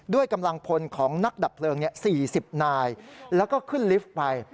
กำลังพลของนักดับเพลิง๔๐นายแล้วก็ขึ้นลิฟต์ไป